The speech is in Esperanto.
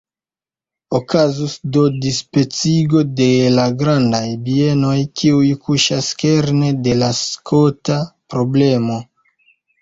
Okazus do dispecigo de la grandaj bienoj, kiuj kuŝas kerne de la skota problemo.